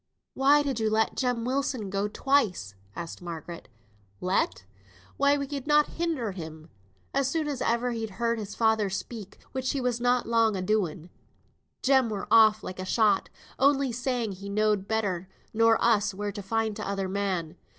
"Why did you let Jem Wilson go twice?" asked Margaret. "Let! why we could not hinder him. As soon as ever he'd heard his father speak (which he was na long a doing), Jem were off like a shot; only saying he knowed better nor us where to find t'other man.